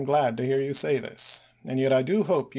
243 glad to hear you say this ; and yet I do hope you ch.